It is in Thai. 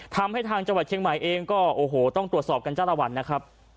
ทางจังหวัดเชียงใหม่เองก็โอ้โหต้องตรวจสอบกันจ้าละวันนะครับ